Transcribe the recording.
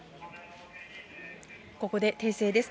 ここで訂正です。